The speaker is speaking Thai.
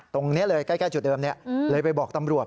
ตรงนี้เลยใกล้จุดเดิมเลยไปบอกตำรวจ